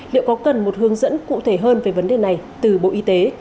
liệu có cần một hướng dẫn cụ thể hơn về vấn đề này từ bộ y tế